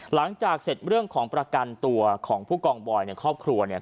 หลังจากเสร็จเรื่องของประกันตัวของผู้กองบอยในครอบครัวเนี่ย